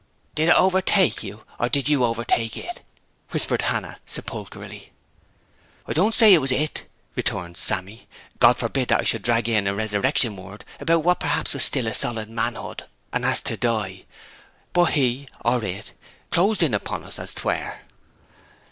'Did it overtake you, or did you overtake it?' whispered Hannah sepulchrally. 'I don't say 'twas it,' returned Sammy. 'God forbid that I should drag in a resurrection word about what perhaps was still solid manhood, and has to die! But he, or it, closed in upon us, as 'twere.'